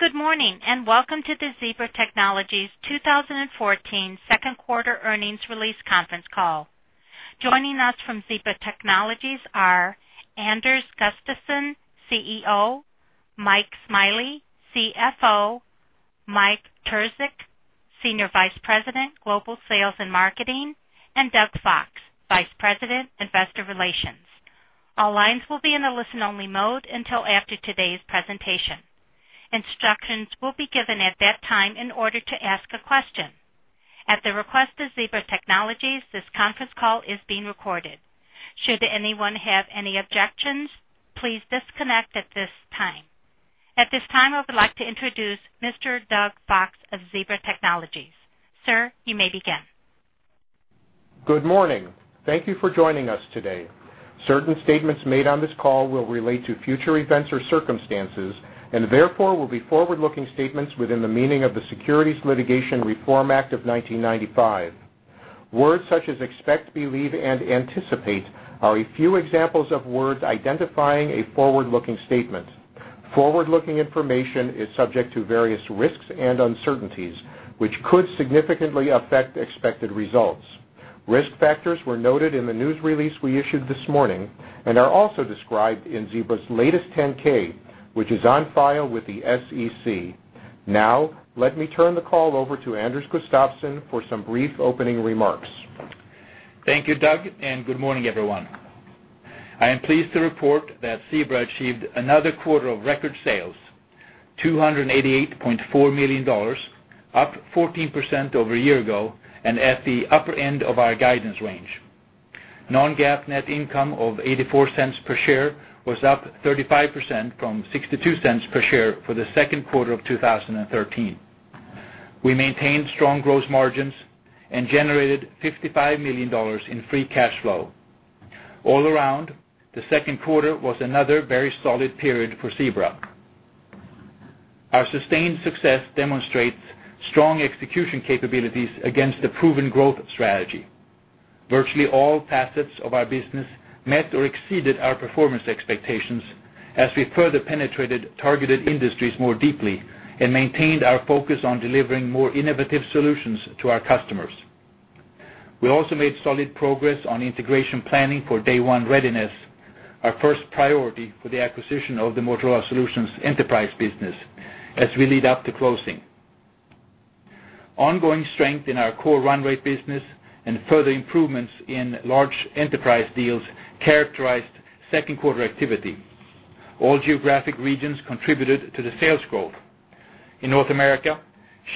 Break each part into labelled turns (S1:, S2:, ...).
S1: Good morning and welcome to the Zebra Technologies 2014 second quarter earnings release conference call. Joining us from Zebra Technologies are Anders Gustafsson, CEO; Mike Smiley, CFO; Mike Terzic, Senior Vice President, Global Sales and Marketing; and Doug Fox, Vice President, Investor Relations. All lines will be in a listen-only mode until after today's presentation. Instructions will be given at that time in order to ask a question. At the request of Zebra Technologies, this conference call is being recorded. Should anyone have any objections, please disconnect at this time. At this time, I would like to introduce Mr. Doug Fox of Zebra Technologies. Sir, you may begin.
S2: Good morning. Thank you for joining us today. Certain statements made on this call will relate to future events or circumstances, and therefore will be forward-looking statements within the meaning of the Securities Litigation Reform Act of 1995. Words such as expect, believe, and anticipate are a few examples of words identifying a forward-looking statement. Forward-looking information is subject to various risks and uncertainties, which could significantly affect expected results. Risk factors were noted in the news release we issued this morning and are also described in Zebra's latest 10-K, which is on file with the SEC. Now, let me turn the call over to Anders Gustafsson for some brief opening remarks.
S3: Thank you, Doug, and good morning, everyone. I am pleased to report that Zebra achieved another quarter of record sales, $288.4 million, up 14% over a year ago and at the upper end of our guidance range. Non-GAAP net income of $0.84 per share was up 35% from $0.62 per share for the second quarter of 2013. We maintained strong gross margins and generated $55 million in free cash flow. All around, the second quarter was another very solid period for Zebra. Our sustained success demonstrates strong execution capabilities against a proven growth strategy. Virtually all facets of our business met or exceeded our performance expectations as we further penetrated targeted industries more deeply and maintained our focus on delivering more innovative solutions to our customers. We also made solid progress on integration planning for day one readiness, our first priority for the acquisition of the Motorola Solutions enterprise business as we lead up to closing. Ongoing strength in our core run rate business and further improvements in large enterprise deals characterized second quarter activity. All geographic regions contributed to the sales growth. In North America,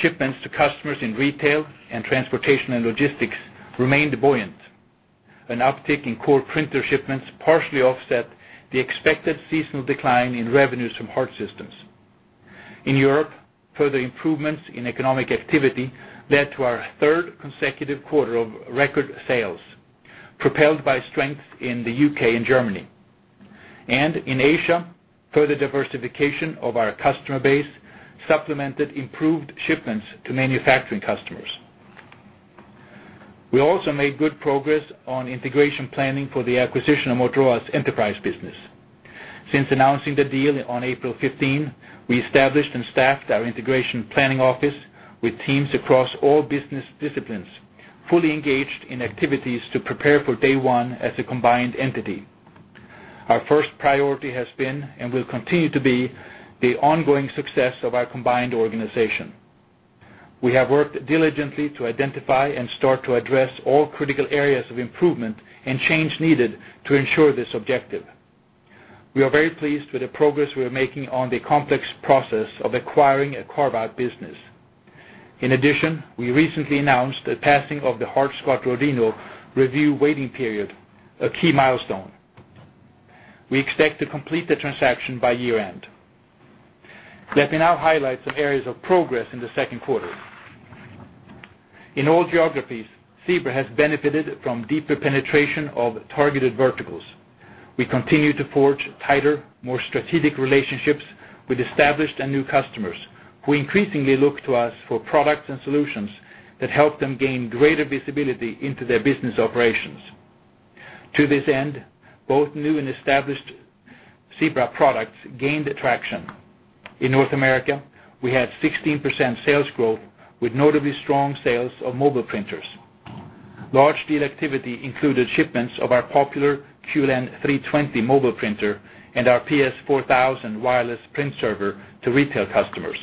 S3: shipments to customers in retail and transportation and logistics remained buoyant. An uptick in core printer shipments partially offset the expected seasonal decline in revenues from Hart Systems. In Europe, further improvements in economic activity led to our third consecutive quarter of record sales, propelled by strength in the UK and Germany. And in Asia, further diversification of our customer base supplemented improved shipments to manufacturing customers. We also made good progress on integration planning for the acquisition of Motorola's enterprise business. Since announcing the deal on April 15, we established and staffed our integration planning office with teams across all business disciplines, fully engaged in activities to prepare for day one as a combined entity. Our first priority has been and will continue to be the ongoing success of our combined organization. We have worked diligently to identify and start to address all critical areas of improvement and change needed to ensure this objective. We are very pleased with the progress we are making on the complex process of acquiring a carve-out business. In addition, we recently announced the passing of the Hart-Scott-Rodino review waiting period, a key milestone. We expect to complete the transaction by year-end. Let me now highlight some areas of progress in the second quarter. In all geographies, Zebra has benefited from deeper penetration of targeted verticals. We continue to forge tighter, more strategic relationships with established and new customers who increasingly look to us for products and solutions that help them gain greater visibility into their business operations. To this end, both new and established Zebra products gained traction. In North America, we had 16% sales growth with notably strong sales of mobile printers. Large deal activity included shipments of our popular QLn320 mobile printer and our PS4000 wireless print server to retail customers.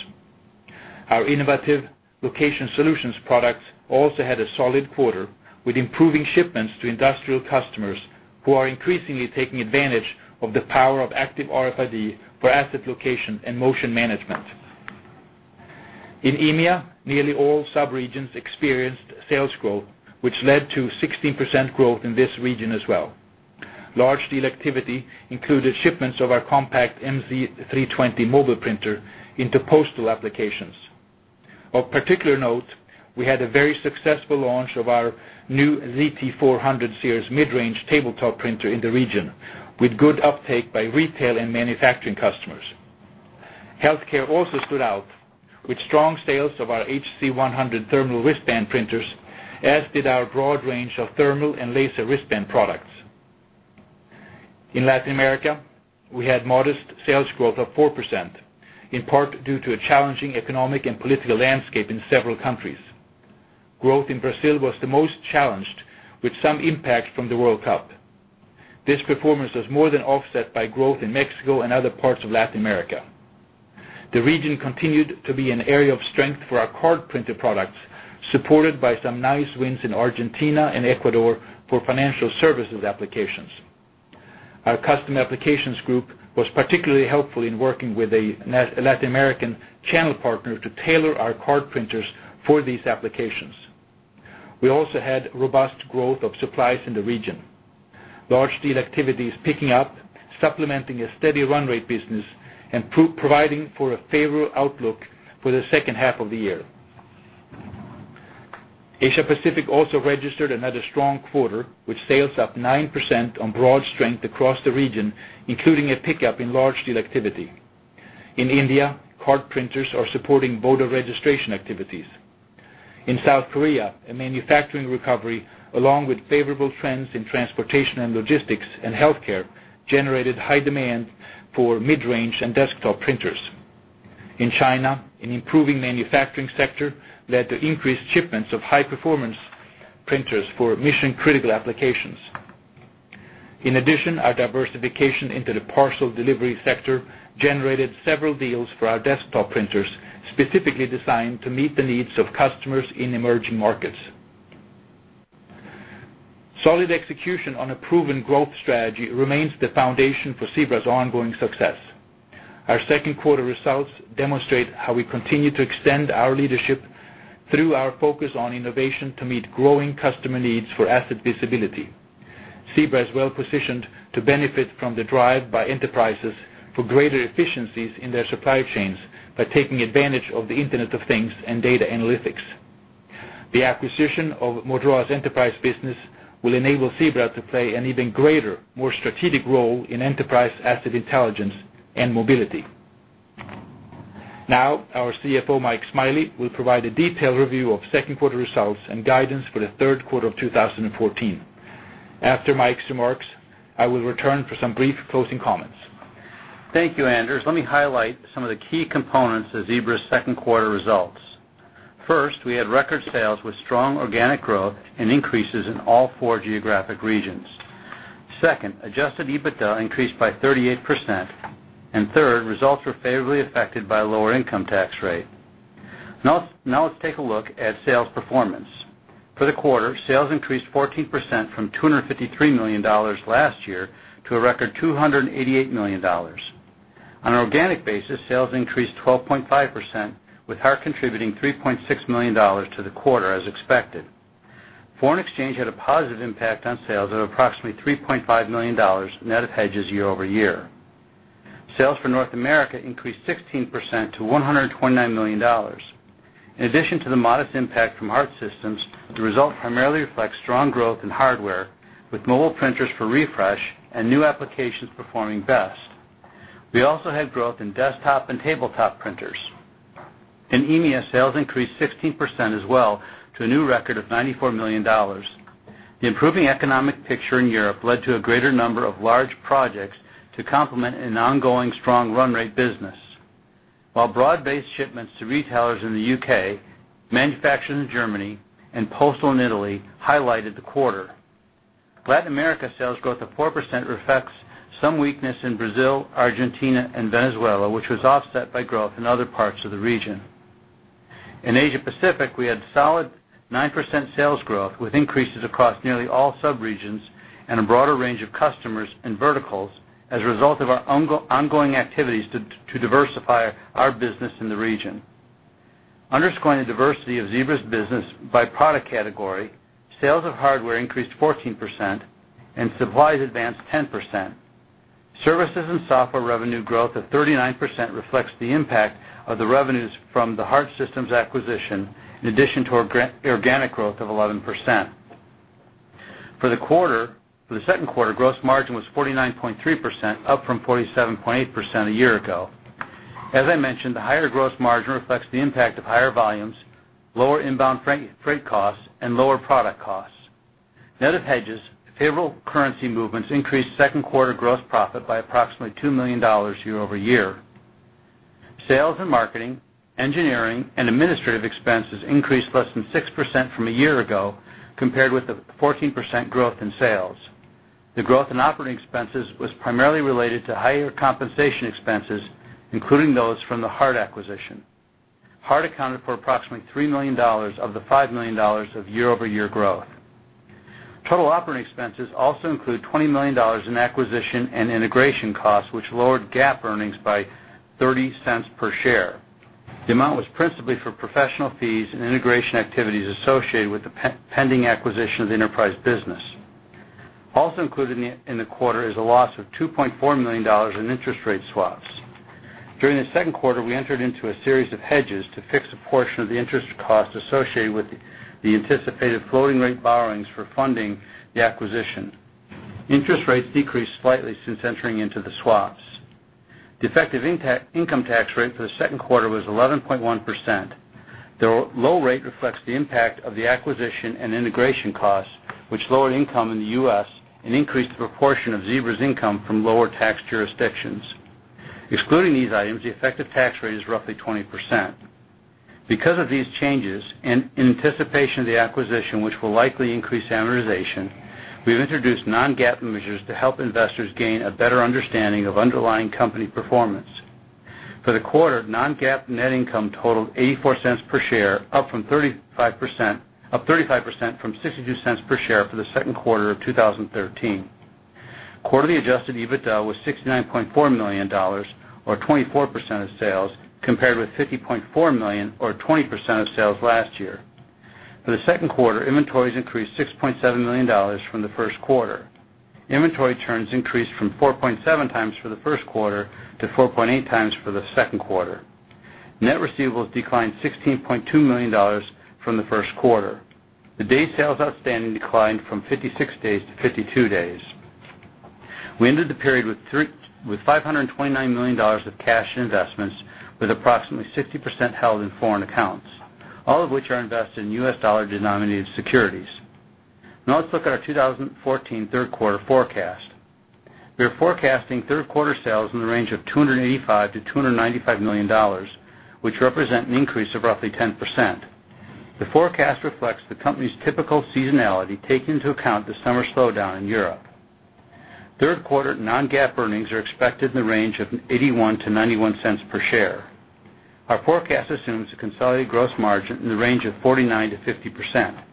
S3: Our innovative location solutions products also had a solid quarter with improving shipments to industrial customers who are increasingly taking advantage of the power of active RFID for asset location and motion management. In EMEA, nearly all subregions experienced sales growth, which led to 16% growth in this region as well. Large deal activity included shipments of our compact MZ 320 mobile printer into postal applications. Of particular note, we had a very successful launch of our new ZT400 series mid-range tabletop printer in the region with good uptake by retail and manufacturing customers. Healthcare also stood out with strong sales of our HC100 thermal wristband printers, as did our broad range of thermal and laser wristband products. In Latin America, we had modest sales growth of 4%, in part due to a challenging economic and political landscape in several countries. Growth in Brazil was the most challenged, with some impact from the World Cup. This performance was more than offset by growth in Mexico and other parts of Latin America. The region continued to be an area of strength for our card printer products, supported by some nice wins in Argentina and Ecuador for financial services applications. Our Customer Applications Group was particularly helpful in working with a Latin American channel partner to tailor our card printers for these applications. We also had robust growth of supplies in the region. Large deal activity is picking up, supplementing a steady run rate business and providing for a favorable outlook for the second half of the year. Asia Pacific also registered another strong quarter, with sales up 9% on broad strength across the region, including a pickup in large deal activity. In India, card printers are supporting voter registration activities. In South Korea, a manufacturing recovery, along with favorable trends in transportation and logistics and healthcare, generated high demand for mid-range and desktop printers. In China, an improving manufacturing sector led to increased shipments of high-performance printers for mission-critical applications. In addition, our diversification into the parcel delivery sector generated several deals for our desktop printers, specifically designed to meet the needs of customers in emerging markets. Solid execution on a proven growth strategy remains the foundation for Zebra's ongoing success. Our second quarter results demonstrate how we continue to extend our leadership through our focus on innovation to meet growing customer needs for asset visibility. Zebra is well positioned to benefit from the drive by enterprises for greater efficiencies in their supply chains by taking advantage of the Internet of Things and data analytics. The acquisition of Motorola's enterprise business will enable Zebra to play an even greater, more strategic role in Enterprise Asset Intelligence and mobility. Now, our CFO, Mike Smiley, will provide a detailed review of second quarter results and guidance for the third quarter of 2014. After Mike's remarks, I will return for some brief closing comments.
S4: Thank you, Anders. Let me highlight some of the key components of Zebra's second quarter results. First, we had record sales with strong organic growth and increases in all four geographic regions. Second, adjusted EBITDA increased by 38%. And third, results were favorably affected by a lower income tax rate. Now, let's take a look at sales performance. For the quarter, sales increased 14% from $253 million last year to a record $288 million. On an organic basis, sales increased 12.5%, with Hart contributing $3.6 million to the quarter as expected. Foreign exchange had a positive impact on sales of approximately $3.5 million net of hedges year over year. Sales for North America increased 16% to $129 million. In addition to the modest impact from Hart Systems, the result primarily reflects strong growth in hardware, with mobile printers for refresh and new applications performing best. We also had growth in desktop and tabletop printers. In EMEA, sales increased 16% as well to a new record of $94 million. The improving economic picture in Europe led to a greater number of large projects to complement an ongoing strong run rate business, while broad-based shipments to retailers in the UK, manufacturers in Germany, and postal in Italy highlighted the quarter. Latin America's sales growth of 4% reflects some weakness in Brazil, Argentina, and Venezuela, which was offset by growth in other parts of the region. In Asia Pacific, we had solid 9% sales growth with increases across nearly all subregions and a broader range of customers and verticals as a result of our ongoing activities to diversify our business in the region. Underscoring the diversity of Zebra's business by product category, sales of hardware increased 14% and supplies advanced 10%. Services and software revenue growth of 39% reflects the impact of the revenues from the Hart Systems acquisition, in addition to our organic growth of 11%. For the second quarter, gross margin was 49.3%, up from 47.8% a year ago. As I mentioned, the higher gross margin reflects the impact of higher volumes, lower inbound freight costs, and lower product costs. Net of hedges, favorable currency movements increased second quarter gross profit by approximately $2 million year-over-year. Sales and marketing, engineering, and administrative expenses increased less than 6% from a year ago compared with a 14% growth in sales. The growth in operating expenses was primarily related to higher compensation expenses, including those from the Hart acquisition. Hart accounted for approximately $3 million of the $5 million of year-over-year growth. Total operating expenses also include $20 million in acquisition and integration costs, which lowered GAAP earnings by $0.30 per share. The amount was principally for professional fees and integration activities associated with the pending acquisition of the enterprise business. Also included in the quarter is a loss of $2.4 million in interest rate swaps. During the second quarter, we entered into a series of hedges to fix a portion of the interest cost associated with the anticipated floating rate borrowings for funding the acquisition. Interest rates decreased slightly since entering into the swaps. The effective income tax rate for the second quarter was 11.1%. The low rate reflects the impact of the acquisition and integration costs, which lowered income in the U.S. and increased the proportion of Zebra's income from lower tax jurisdictions. Excluding these items, the effective tax rate is roughly 20%. Because of these changes and in anticipation of the acquisition, which will likely increase amortization, we've introduced non-GAAP measures to help investors gain a better understanding of underlying company performance. For the quarter, non-GAAP net income totaled 84 cents per share, up 35% from 62 cents per share for the second quarter of 2013. Quarterly adjusted EBITDA was $69.4 million, or 24% of sales, compared with $50.4 million, or 20% of sales last year. For the second quarter, inventories increased $6.7 million from the first quarter. Inventory turns increased from 4.7 times for the first quarter to 4.8 times for the second quarter. Net receivables declined $16.2 million from the first quarter. The day sales outstanding declined from 56 days to 52 days. We ended the period with $529 million of cash investments, with approximately 60% held in foreign accounts, all of which are invested in US dollar-denominated securities. Now, let's look at our 2014 third quarter forecast. We are forecasting third quarter sales in the range of $285 million-$295 million, which represent an increase of roughly 10%. The forecast reflects the company's typical seasonality, taking into account the summer slowdown in Europe. Third quarter non-GAAP earnings are expected in the range of 81-91 cents per share. Our forecast assumes a consolidated gross margin in the range of 49%-50%.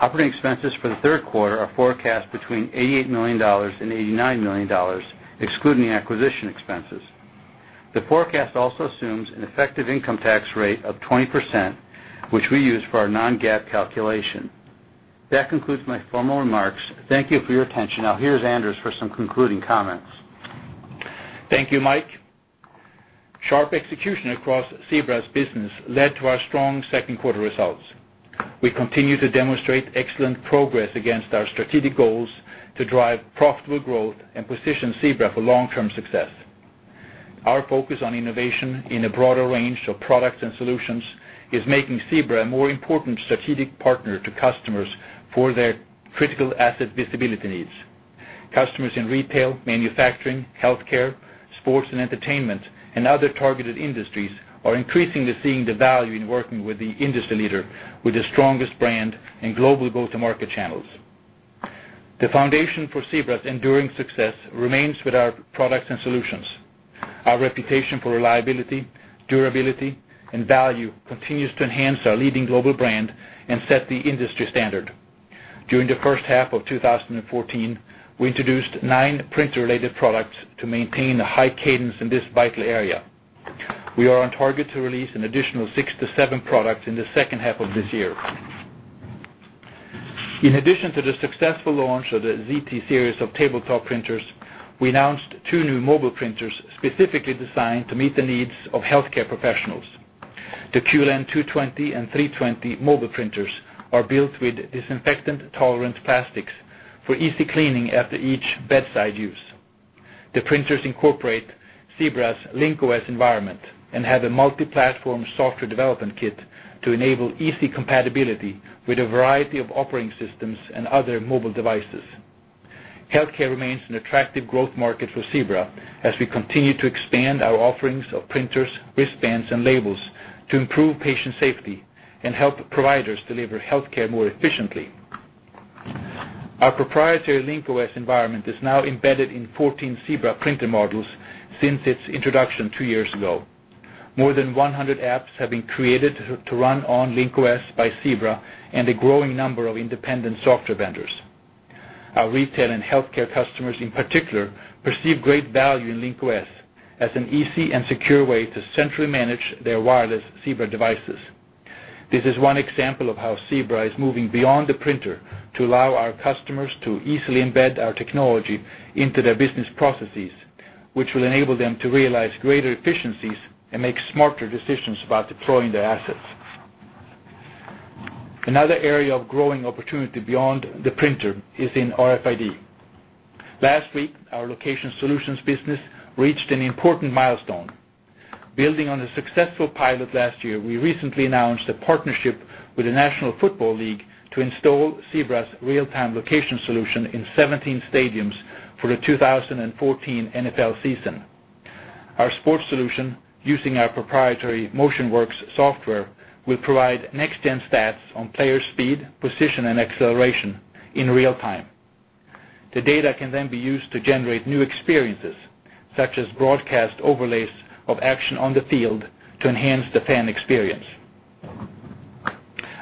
S4: Operating expenses for the third quarter are forecast between $88-$89 million, excluding acquisition expenses. The forecast also assumes an effective income tax rate of 20%, which we use for our non-GAAP calculation. That concludes my formal remarks. Thank you for your attention. Now, here's Anders for some concluding comments.
S3: Thank you, Mike. Sharp execution across Zebra's business led to our strong second quarter results. We continue to demonstrate excellent progress against our strategic goals to drive profitable growth and position Zebra for long-term success. Our focus on innovation in a broader range of products and solutions is making Zebra a more important strategic partner to customers for their critical asset visibility needs. Customers in retail, manufacturing, healthcare, sports and entertainment, and other targeted industries are increasingly seeing the value in working with the industry leader with the strongest brand and global go-to-market channels. The foundation for Zebra's enduring success remains with our products and solutions. Our reputation for reliability, durability, and value continues to enhance our leading global brand and set the industry standard. During the first half of 2014, we introduced nine printer-related products to maintain a high cadence in this vital area. We are on target to release an additional six to seven products in the second half of this year. In addition to the successful launch of the ZT series of tabletop printers, we announced two new mobile printers specifically designed to meet the needs of healthcare professionals. The QLn220 and QLn320 mobile printers are built with disinfectant-tolerant plastics for easy cleaning after each bedside use. The printers incorporate Zebra's Link-OS environment and have a multi-platform software development kit to enable easy compatibility with a variety of operating systems and other mobile devices. Healthcare remains an attractive growth market for Zebra as we continue to expand our offerings of printers, wristbands, and labels to improve patient safety and help providers deliver healthcare more efficiently. Our proprietary Link-OS environment is now embedded in 14 Zebra printer models since its introduction two years ago. More than 100 apps have been created to run on Link-OS by Zebra and a growing number of independent software vendors. Our retail and healthcare customers, in particular, perceive great value in Link-OS as an easy and secure way to centrally manage their wireless Zebra devices. This is one example of how Zebra is moving beyond the printer to allow our customers to easily embed our technology into their business processes, which will enable them to realize greater efficiencies and make smarter decisions about deploying their assets. Another area of growing opportunity beyond the printer is in RFID. Last week, our location solutions business reached an important milestone. Building on a successful pilot last year, we recently announced a partnership with the National Football League to install Zebra's real-time location solution in 17 stadiums for the 2014 NFL season. Our sports solution, using our proprietary MotionWorks software, will provide next-gen stats on player speed, position, and acceleration in real time. The data can then be used to generate new experiences, such as broadcast overlays of action on the field to enhance the fan experience.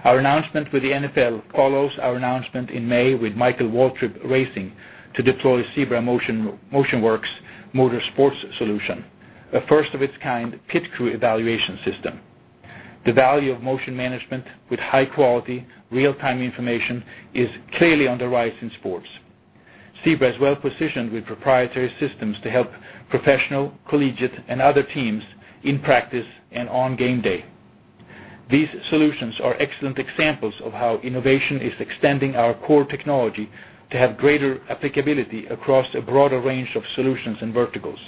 S3: Our announcement with the NFL follows our announcement in May with Michael Waltrip Racing to deploy Zebra MotionWorks motor sports solution, a first-of-its-kind pit crew evaluation system. The value of motion management with high-quality, real-time information is clearly on the rise in sports. Zebra is well positioned with proprietary systems to help professional, collegiate, and other teams in practice and on game day. These solutions are excellent examples of how innovation is extending our core technology to have greater applicability across a broader range of solutions and verticals.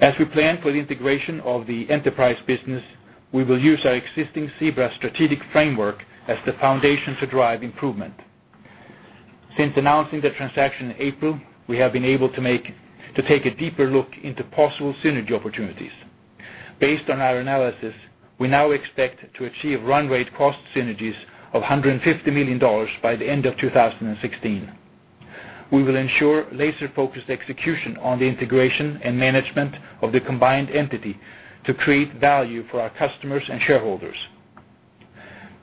S3: As we plan for the integration of the enterprise business, we will use our existing Zebra strategic framework as the foundation to drive improvement. Since announcing the transaction in April, we have been able to take a deeper look into possible synergy opportunities. Based on our analysis, we now expect to achieve run rate cost synergies of $150 million by the end of 2016. We will ensure laser-focused execution on the integration and management of the combined entity to create value for our customers and shareholders.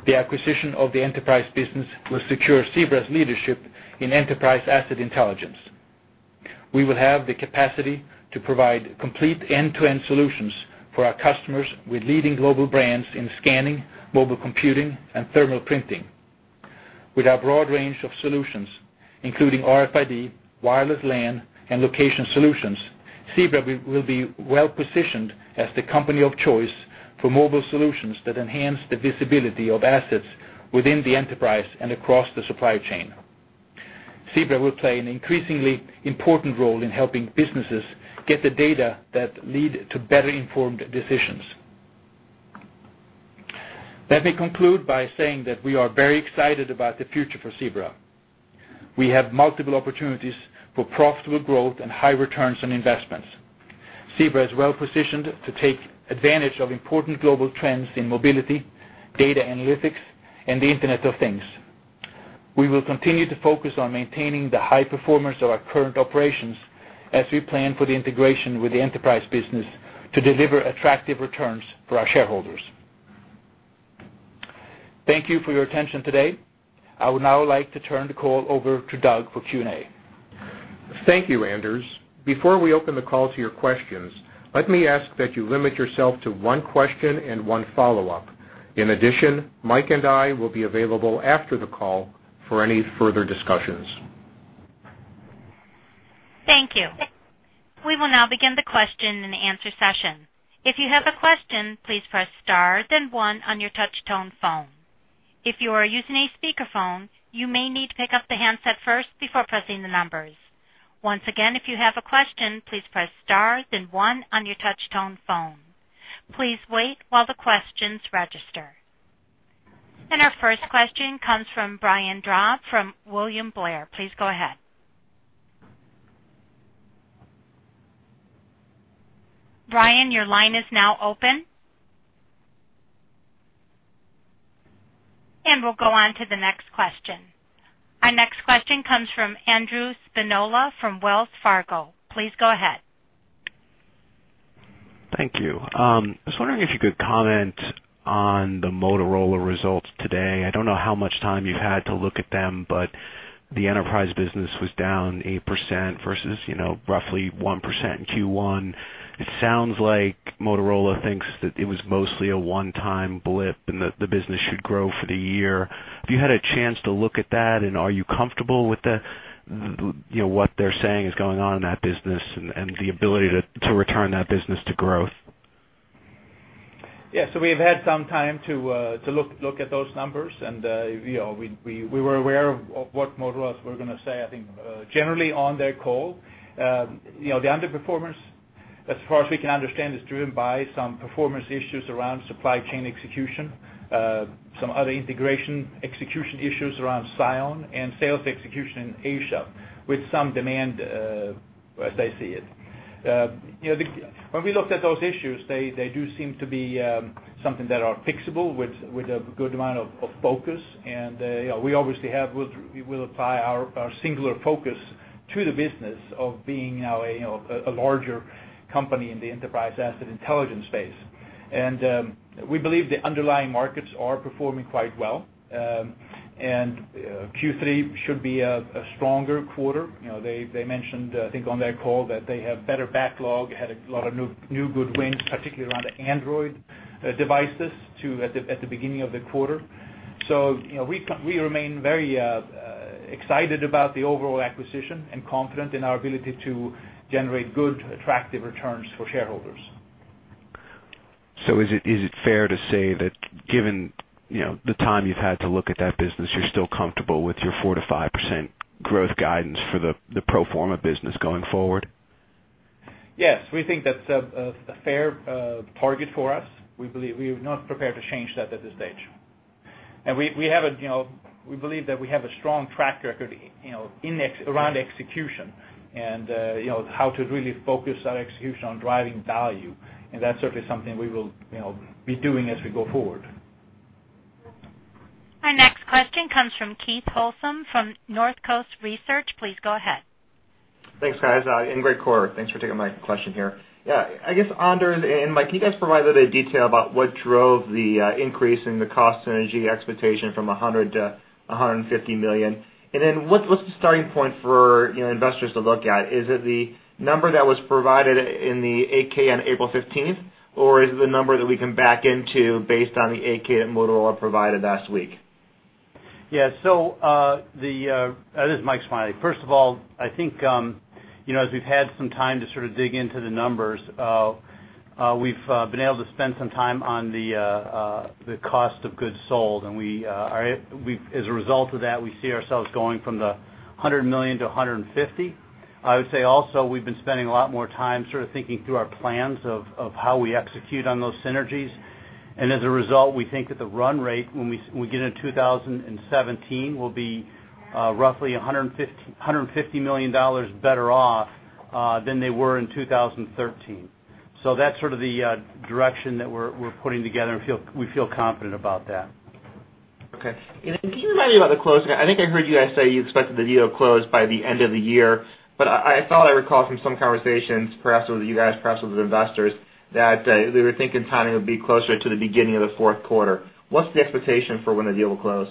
S3: The acquisition of the enterprise business will secure Zebra's leadership in enterprise asset intelligence. We will have the capacity to provide complete end-to-end solutions for our customers with leading global brands in scanning, mobile computing, and thermal printing. With our broad range of solutions, including RFID, wireless LAN, and location solutions, Zebra will be well positioned as the company of choice for mobile solutions that enhance the visibility of assets within the enterprise and across the supply chain. Zebra will play an increasingly important role in helping businesses get the data that lead to better-informed decisions. Let me conclude by saying that we are very excited about the future for Zebra. We have multiple opportunities for profitable growth and high returns on investments. Zebra is well positioned to take advantage of important global trends in mobility, data analytics, and the Internet of Things. We will continue to focus on maintaining the high performance of our current operations as we plan for the integration with the enterprise business to deliver attractive returns for our shareholders. Thank you for your attention today. I would now like to turn the call over to Doug for Q&A.
S2: Thank you, Anders. Before we open the call to your questions, let me ask that you limit yourself to one question and one follow-up. In addition, Mike and I will be available after the call for any further discussions.
S1: Thank you. We will now begin the question-and-answer session. If you have a question, please press star, then one on your touch-tone phone. If you are using a speakerphone, you may need to pick up the handset first before pressing the numbers. Once again, if you have a question, please press star, then one on your touch-tone phone. Please wait while the questions register. Our first question comes from Brian Drab from William Blair. Please go ahead. Brian, your line is now open. We'll go on to the next question. Our next question comes from Andrew Spinola from Wells Fargo. Please go ahead.
S5: Thank you. I was wondering if you could comment on the Motorola results today. I don't know how much time you've had to look at them, but the enterprise business was down 8% versus roughly 1% in Q1. It sounds like Motorola thinks that it was mostly a one-time blip and that the business should grow for the year. Have you had a chance to look at that, and are you comfortable with what they're saying is going on in that business and the ability to return that business to growth?
S3: Yeah. So we've had some time to look at those numbers, and we were aware of what Motorola was going to say, I think, generally on their call. The underperformance, as far as we can understand, is driven by some performance issues around supply chain execution, some other integration execution issues around Psion, and sales execution in Asia with some demand as they see it. When we looked at those issues, they do seem to be something that are fixable with a good amount of focus. And we obviously will apply our singular focus to the business of being now a larger company in the Enterprise Asset Intelligence space. And we believe the underlying markets are performing quite well, and Q3 should be a stronger quarter. They mentioned, I think, on their call that they have better backlog, had a lot of new good wins, particularly around Android devices at the beginning of the quarter. So we remain very excited about the overall acquisition and confident in our ability to generate good, attractive returns for shareholders.
S5: Is it fair to say that given the time you've had to look at that business, you're still comfortable with your 4%-5% growth guidance for the pro forma business going forward?
S3: Yes. We think that's a fair target for us. We're not prepared to change that at this stage. And we believe that we have a strong track record around execution and how to really focus our execution on driving value. And that's certainly something we will be doing as we go forward.
S1: Our next question comes from Keith Housum from North Coast Research. Please go ahead.
S6: Thanks, guys in the call. Thanks for taking my question here. Yeah. I guess, Anders and Mike, can you guys provide a bit of detail about what drove the increase in the cost synergy expectation from $100 million to $150 million? And then what's the starting point for investors to look at? Is it the number that was provided in the 10-K on April 15th, or is it the number that we can back into based on the 10-K that Motorola provided last week?
S4: Yeah. So this is Mike Smiley. First of all, I think as we've had some time to sort of dig into the numbers, we've been able to spend some time on the cost of goods sold. And as a result of that, we see ourselves going from the $100 million to $150 million. I would say also we've been spending a lot more time sort of thinking through our plans of how we execute on those synergies. And as a result, we think that the run rate, when we get into 2017, will be roughly $150 million better off than they were in 2013. So that's sort of the direction that we're putting together, and we feel confident about that.
S6: Okay. And then can you remind me about the close? I think I heard you guys say you expected the deal to close by the end of the year, but I thought I recall from some conversations, perhaps with you guys, perhaps with investors, that they were thinking timing would be closer to the beginning of the Q4. What's the expectation for when the deal will close?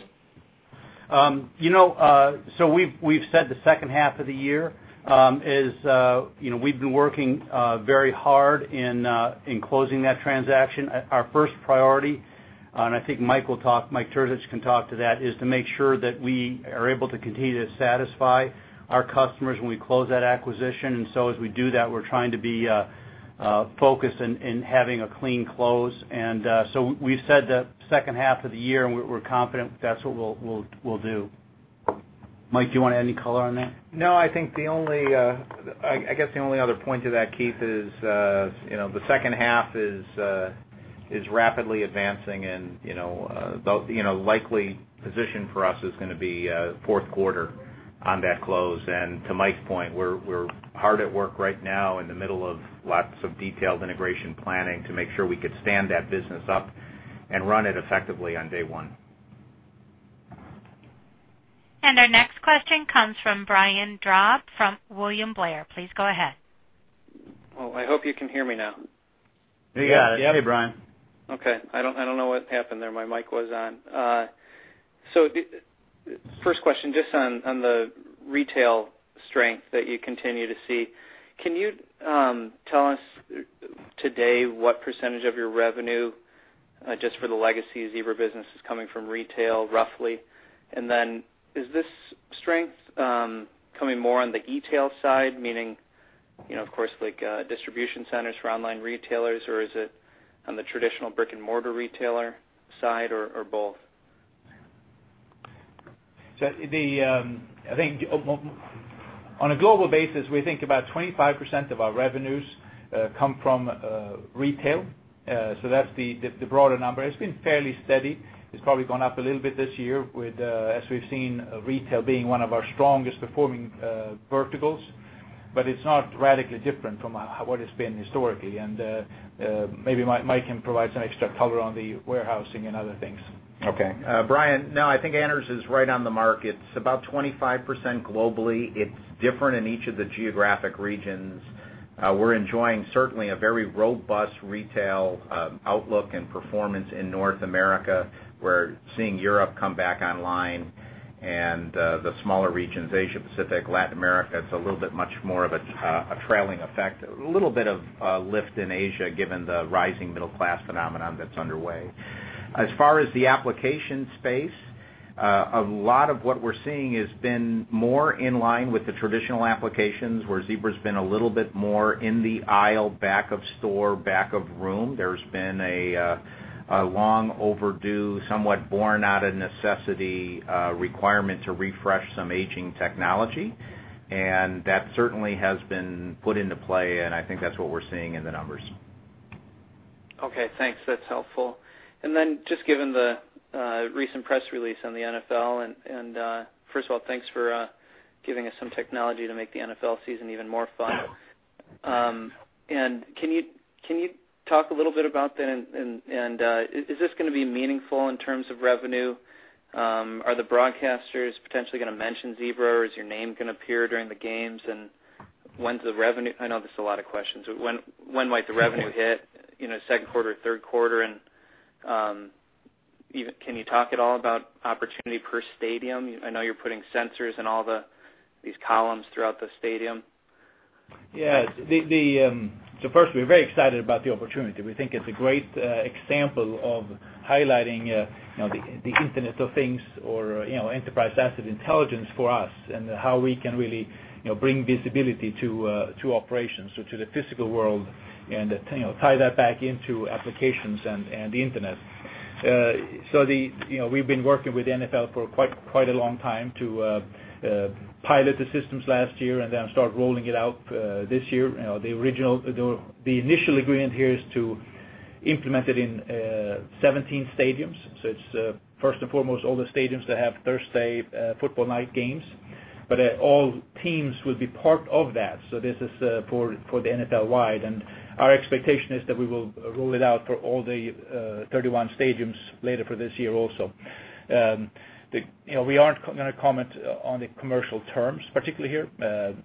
S4: So we've said the second half of the year is we've been working very hard in closing that transaction. Our first priority, and I think Mike Terzic can talk to that, is to make sure that we are able to continue to satisfy our customers when we close that acquisition. And so as we do that, we're trying to be focused in having a clean close. And so we've said the second half of the year, and we're confident that's what we'll do. Mike, do you want to add any color on that?
S7: No, I think the only, I guess the only other point to that, Keith, is the second half is rapidly advancing, and the likely position for us is going to be fourth quarter on that close. To Mike's point, we're hard at work right now in the middle of lots of detailed integration planning to make sure we could stand that business up and run it effectively on day one.
S1: Our next question comes from Brian Drab from William Blair. Please go ahead.
S8: Well, I hope you can hear me now.
S4: Yeah. Hey, Brian.
S8: Okay. I don't know what happened there. My mic was on. So first question, just on the retail strength that you continue to see, can you tell us today what percentage of your revenue, just for the legacy Zebra business, is coming from retail, roughly? And then is this strength coming more on the retail side, meaning, of course, distribution centers for online retailers, or is it on the traditional brick-and-mortar retailer side, or both?
S4: I think on a global basis, we think about 25% of our revenues come from retail. That's the broader number. It's been fairly steady. It's probably gone up a little bit this year as we've seen retail being one of our strongest performing verticals, but it's not radically different from what it's been historically. Maybe Mike can provide some extra color on the warehousing and other things.
S7: Okay. Brian, no, I think Anders is right on the mark. It's about 25% globally. It's different in each of the geographic regions. We're enjoying certainly a very robust retail outlook and performance in North America. We're seeing Europe come back online and the smaller regions, Asia Pacific, Latin America. It's a little bit much more of a trailing effect, a little bit of a lift in Asia given the rising middle-class phenomenon that's underway. As far as the application space, a lot of what we're seeing has been more in line with the traditional applications where Zebra's been a little bit more in the aisle, back of store, back of room. There's been a long-overdue, somewhat borne-out-of-necessity requirement to refresh some aging technology, and that certainly has been put into play, and I think that's what we're seeing in the numbers.
S8: Okay. Thanks. That's helpful. And then just given the recent press release on the NFL, and first of all, thanks for giving us some technology to make the NFL season even more fun. And can you talk a little bit about that, and is this going to be meaningful in terms of revenue? Are the broadcasters potentially going to mention Zebra, or is your name going to appear during the games? And when's the revenue? I know this is a lot of questions. When might the revenue hit? Q2, Q3? And can you talk at all about opportunity per stadium? I know you're putting sensors in all these columns throughout the stadium.
S4: Yeah. So first, we're very excited about the opportunity. We think it's a great example of highlighting the Internet of Things or Enterprise Asset Intelligence for us and how we can really bring visibility to operations, so to the physical world, and tie that back into applications and the internet. So we've been working with NFL for quite a long time to pilot the systems last year and then start rolling it out this year. The initial agreement here is to implement it in 17 stadiums. So it's first and foremost all the stadiums that have Thursday football night games, but all teams will be part of that. So this is for the NFL-wide. And our expectation is that we will roll it out for all the 31 stadiums later for this year also. We aren't going to comment on the commercial terms, particularly here,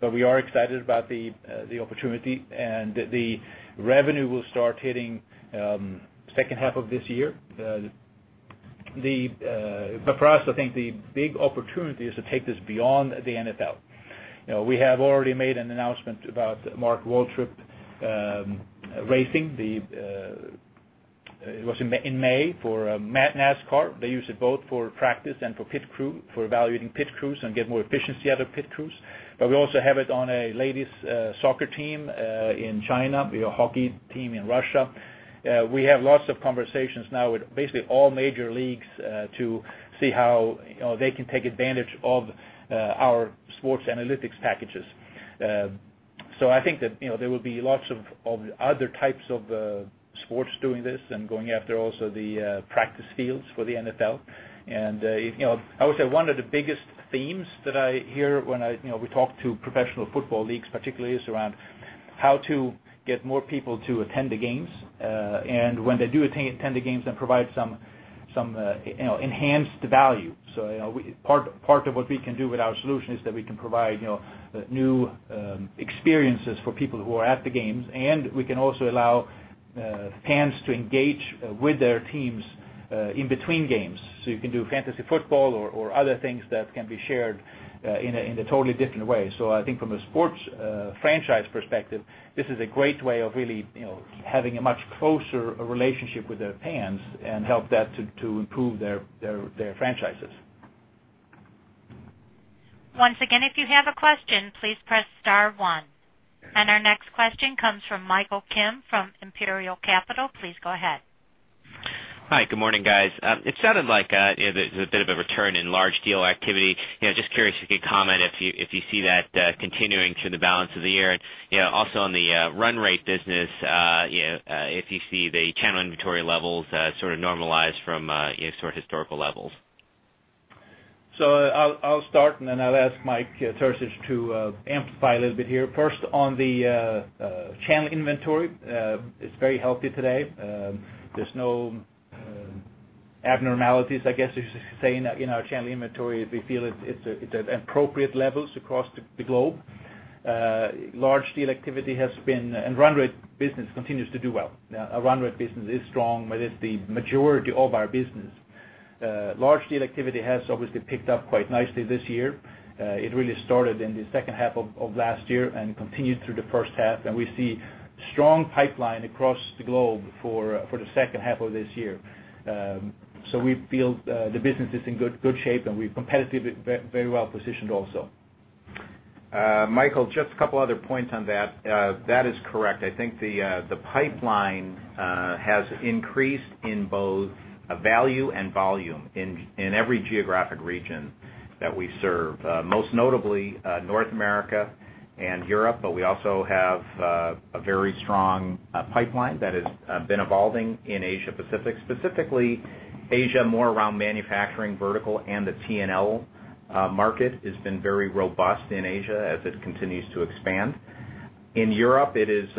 S4: but we are excited about the opportunity, and the revenue will start hitting second half of this year. For us, I think the big opportunity is to take this beyond the NFL. We have already made an announcement about Michael Waltrip Racing. It was in May for NASCAR. They use it both for practice and for pit crew, for evaluating pit crews and get more efficiency out of pit crews. We also have it on a ladies' soccer team in China, a hockey team in Russia. We have lots of conversations now with basically all major leagues to see how they can take advantage of our sports analytics packages. I think that there will be lots of other types of sports doing this and going after also the practice fields for the NFL. And I would say one of the biggest themes that I hear when we talk to professional football leagues, particularly, is around how to get more people to attend the games. And when they do attend the games, then provide some enhanced value. So part of what we can do with our solution is that we can provide new experiences for people who are at the games, and we can also allow fans to engage with their teams in between games. So you can do fantasy football or other things that can be shared in a totally different way. So I think from a sports franchise perspective, this is a great way of really having a much closer relationship with their fans and help that to improve their franchises.
S1: Once again, if you have a question, please press star one. Our next question comes from Michael Kim from Imperial Capital. Please go ahead.
S9: Hi. Good morning, guys. It sounded like there's a bit of a return in large deal activity. Just curious if you could comment if you see that continuing through the balance of the year? And also on the run rate business, if you see the channel inventory levels sort of normalize from sort of historical levels?
S4: So I'll start, and then I'll ask Mike Terzic to amplify a little bit here. First, on the channel inventory, it's very healthy today. There's no abnormalities, I guess, as you say, in our channel inventory. We feel it's at appropriate levels across the globe. Large deal activity has been and run rate business continues to do well. Our run rate business is strong, but it's the majority of our business. Large deal activity has obviously picked up quite nicely this year. It really started in the second half of last year and continued through the first half. And we see strong pipeline across the globe for the second half of this year. So we feel the business is in good shape, and we're competitively very well positioned also.
S7: Michael, just a couple of other points on that. That is correct. I think the pipeline has increased in both value and volume in every geographic region that we serve, most notably North America and Europe, but we also have a very strong pipeline that has been evolving in Asia Pacific. Specifically, Asia more around manufacturing vertical and the T&L market has been very robust in Asia as it continues to expand. In Europe, it is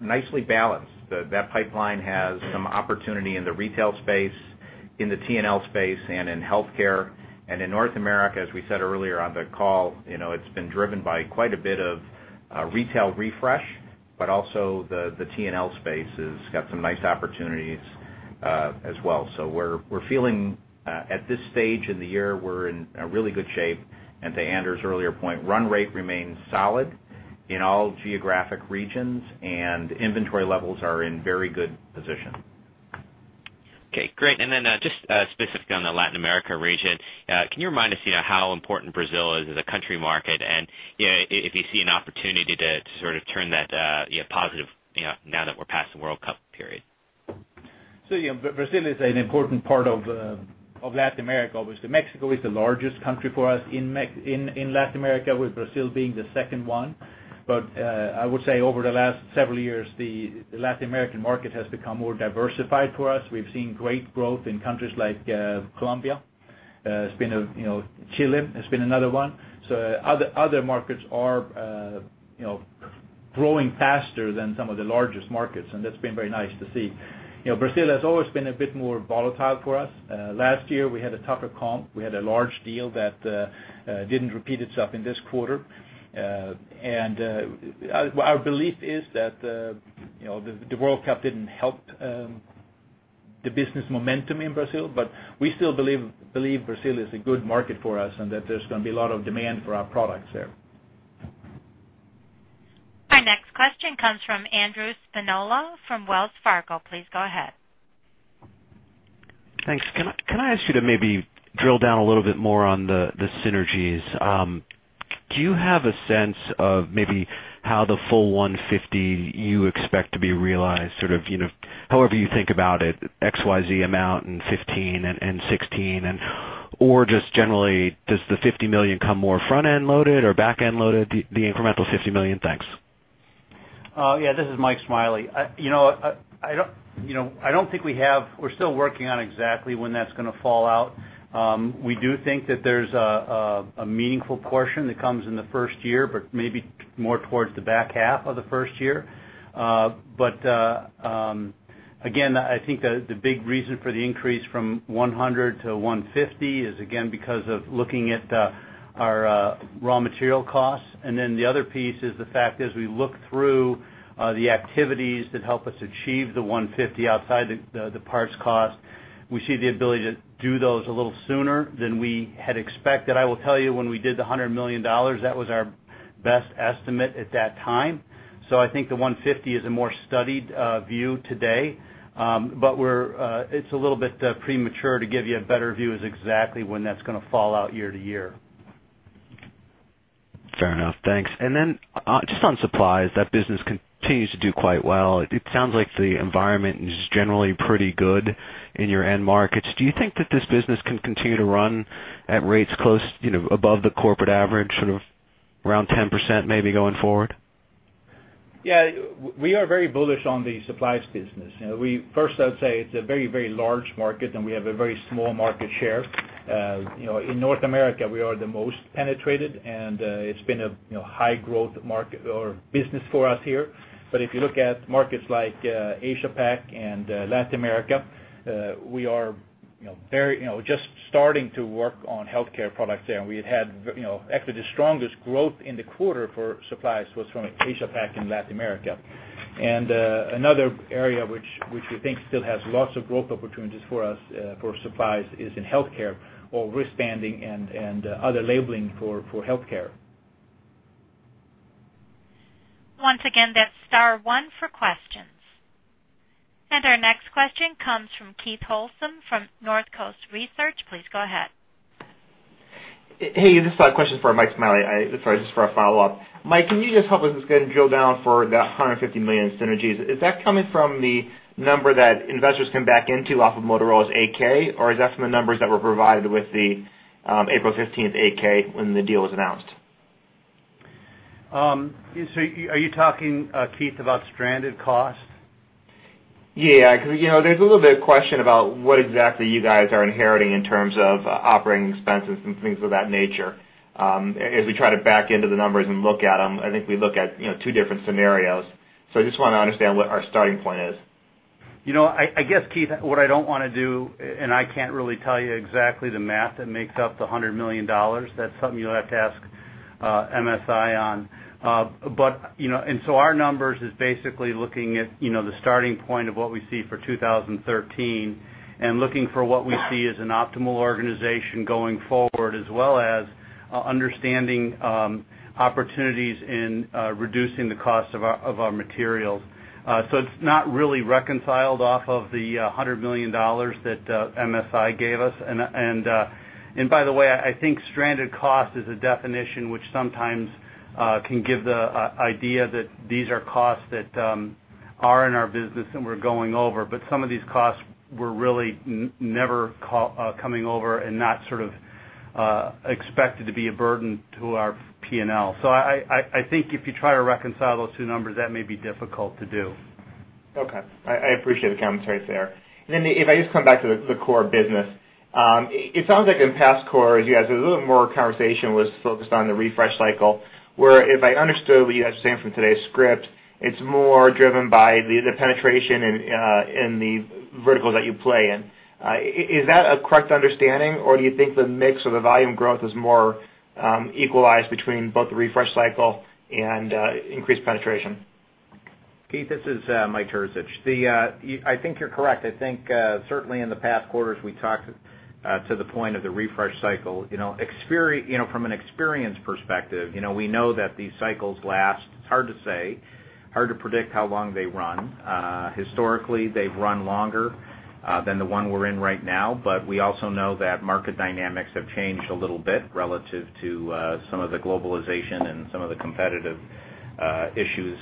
S7: nicely balanced. That pipeline has some opportunity in the retail space, in the T&L space, and in healthcare. And in North America, as we said earlier on the call, it's been driven by quite a bit of retail refresh, but also the T&L space has got some nice opportunities as well. So we're feeling at this stage in the year we're in really good shape. To Anders' earlier point, run rate remains solid in all geographic regions, and inventory levels are in very good position.
S9: Okay. Great. And then just specifically on the Latin America region, can you remind us how important Brazil is as a country market? And if you see an opportunity to sort of turn that positive now that we're past the World Cup period?
S4: So Brazil is an important part of Latin America. Mexico is the largest country for us in Latin America, with Brazil being the second one. But I would say over the last several years, the Latin American market has become more diversified for us. We've seen great growth in countries like Colombia. It's been Chile, it's been another one. So other markets are growing faster than some of the largest markets, and that's been very nice to see. Brazil has always been a bit more volatile for us. Last year, we had a tougher comp. We had a large deal that didn't repeat itself in this quarter. And our belief is that the World Cup didn't help the business momentum in Brazil, but we still believe Brazil is a good market for us and that there's going to be a lot of demand for our products there.
S1: Our next question comes from Andrew Spinola from Wells Fargo. Please go ahead.
S5: Thanks. Can I ask you to maybe drill down a little bit more on the synergies? Do you have a sense of maybe how the full $150 million you expect to be realized, sort of however you think about it, XYZ amount in 2015 and 2016, or just generally, does the $50 million come more front-end loaded or back-end loaded, the incremental $50 million? Thanks.
S4: Yeah. This is Mike Smiley. I don't think we have we're still working on exactly when that's going to fall out. We do think that there's a meaningful portion that comes in the first year, but maybe more towards the back half of the first year. But again, I think the big reason for the increase from 100 to 150 is again because of looking at our raw material costs. And then the other piece is the fact as we look through the activities that help us achieve the 150 outside the parts cost, we see the ability to do those a little sooner than we had expected. I will tell you, when we did the $100 million, that was our best estimate at that time. So I think the 150 is a more studied view today, but it's a little bit premature to give you a better view as exactly when that's going to fall out year to year.
S5: Fair enough. Thanks. And then just on supplies, that business continues to do quite well. It sounds like the environment is generally pretty good in your end markets. Do you think that this business can continue to run at rates close above the corporate average, sort of around 10% maybe going forward?
S4: Yeah. We are very bullish on the supplies business. First, I would say it's a very, very large market, and we have a very small market share. In North America, we are the most penetrated, and it's been a high-growth market or business for us here. But if you look at markets like Asia-Pac and Latin America, we are just starting to work on healthcare products there. And we had had actually the strongest growth in the quarter for supplies was from Asia-Pac and Latin America. And another area which we think still has lots of growth opportunities for us for supplies is in healthcare or wristbanding and other labeling for healthcare.
S1: Once again, that's star one for questions. And our next question comes from Keith Housum from North Coast Research. Please go ahead.
S6: Hey. This is a question for Mike Smiley. Sorry, just for a follow-up. Mike, can you just help us just kind of drill down for that $150 million synergies? Is that coming from the number that investors can back into off of Motorola's 10-K, or is that from the numbers that were provided with the April 15th 10-K when the deal was announced?
S4: Are you talking, Keith, about stranded cost?
S6: Yeah. Because there's a little bit of question about what exactly you guys are inheriting in terms of operating expenses and things of that nature as we try to back into the numbers and look at them. I think we look at two different scenarios. So I just want to understand what our starting point is.
S4: I guess, Keith, what I don't want to do, and I can't really tell you exactly the math that makes up the $100 million, that's something you'll have to ask MSI on. And so our numbers is basically looking at the starting point of what we see for 2013 and looking for what we see as an optimal organization going forward, as well as understanding opportunities in reducing the cost of our materials. So it's not really reconciled off of the $100 million that MSI gave us. And by the way, I think stranded cost is a definition which sometimes can give the idea that these are costs that are in our business and we're going over. But some of these costs were really never coming over and not sort of expected to be a burden to our P&L. I think if you try to reconcile those two numbers, that may be difficult to do.
S6: Okay. I appreciate the commentary there. Then if I just come back to the core business, it sounds like in past quarters, you guys had a little more conversation was focused on the refresh cycle, where if I understood what you guys were saying from today's script, it's more driven by the penetration in the verticals that you play in. Is that a correct understanding, or do you think the mix or the volume growth is more equalized between both the refresh cycle and increased penetration?
S7: Keith, this is Mike Terzic. I think you're correct. I think certainly in the past quarters, we talked to the point of the refresh cycle. From an experience perspective, we know that these cycles last. It's hard to say, hard to predict how long they run. Historically, they've run longer than the one we're in right now, but we also know that market dynamics have changed a little bit relative to some of the globalization and some of the competitive issues.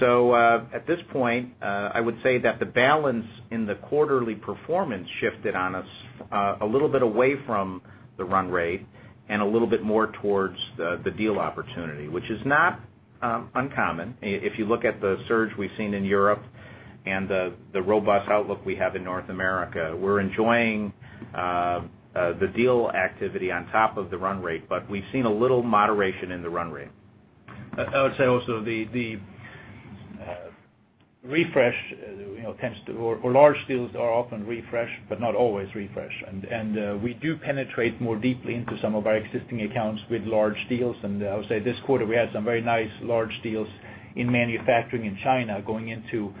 S7: So at this point, I would say that the balance in the quarterly performance shifted on us a little bit away from the run rate and a little bit more towards the deal opportunity, which is not uncommon. If you look at the surge we've seen in Europe and the robust outlook we have in North America, we're enjoying the deal activity on top of the run rate, but we've seen a little moderation in the run rate.
S4: I would say also the refresh tends to or large deals are often refreshed, but not always refreshed. And we do penetrate more deeply into some of our existing accounts with large deals. And I would say this quarter, we had some very nice large deals in manufacturing in China going into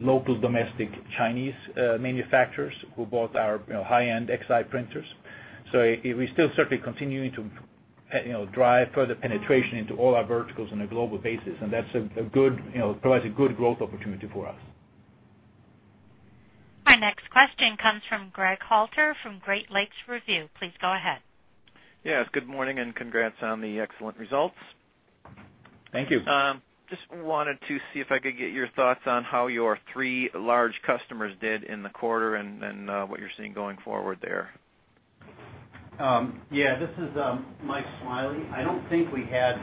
S4: local domestic Chinese manufacturers who bought our high-end Xi printers. So we still certainly continue to drive further penetration into all our verticals on a global basis, and that's a good it provides a good growth opportunity for us.
S1: Our next question comes from Greg Halter from Great Lakes Review. Please go ahead.
S10: Yes. Good morning and congrats on the excellent results.
S7: Thank you.
S10: Just wanted to see if I could get your thoughts on how your three large customers did in the quarter and what you're seeing going forward there.
S4: Yeah. This is Mike Smiley. I don't think we had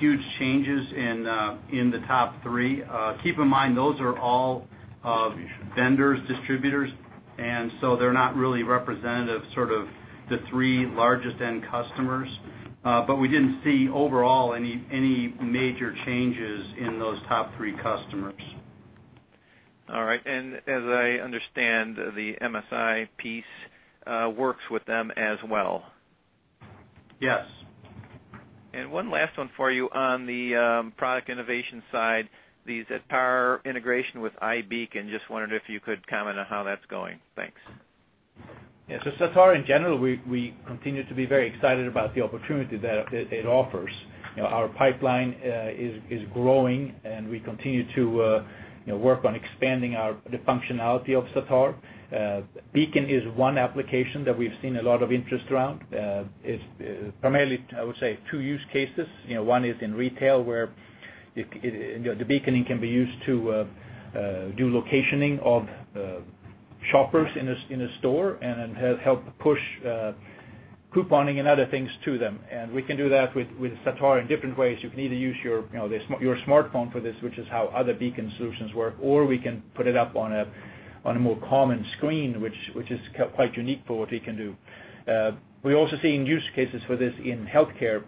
S4: huge changes in the top three. Keep in mind, those are all vendors, distributors, and so they're not really representative of sort of the three largest end customers. But we didn't see overall any major changes in those top three customers. All right. And as I understand, the MSI piece works with them as well. Yes.
S10: One last one for you on the product innovation side, the Zatar integration with iBeacon. Just wondered if you could comment on how that's going. Thanks.
S4: Yeah. So Zatar, in general, we continue to be very excited about the opportunity that it offers. Our pipeline is growing, and we continue to work on expanding the functionality of Zatar. iBeacon is one application that we've seen a lot of interest around. It's primarily, I would say, two use cases. One is in retail where the iBeacon can be used to do locationing of shoppers in a store and help push couponing and other things to them. And we can do that with Zatar in different ways. You can either use your smartphone for this, which is how other iBeacon solutions work, or we can put it up on a more common screen, which is quite unique for what we can do. We also see use cases for this in healthcare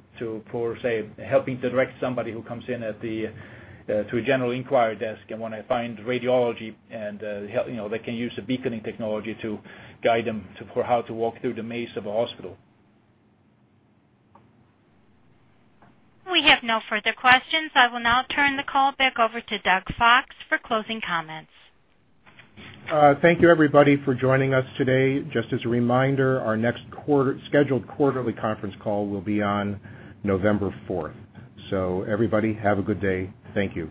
S4: for, say, helping to direct somebody who comes in to a general inquiry desk and want to find radiology, and they can use the Beacon technology to guide them for how to walk through the maze of a hospital.
S1: We have no further questions. I will now turn the call back over to Doug Fox for closing comments.
S2: Thank you, everybody, for joining us today. Just as a reminder, our next scheduled quarterly conference call will be on November 4th. So everybody, have a good day. Thank you.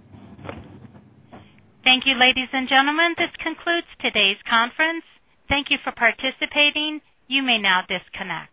S1: Thank you, ladies and gentlemen. This concludes today's conference. Thank you for participating. You may now disconnect.